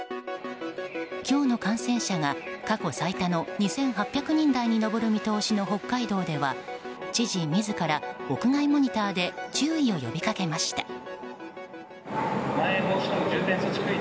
今日の感染者が過去最多の２８００人台に上る見通しの北海道では知事自ら屋外モニターで注意を呼びかけました。